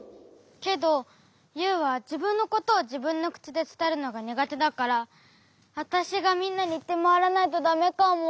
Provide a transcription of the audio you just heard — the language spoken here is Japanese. けどユウはじぶんのことをじぶんのくちでつたえるのがにがてだからわたしがみんなにいってまわらないとだめかも。